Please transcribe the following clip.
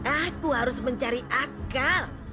aku harus mencari akal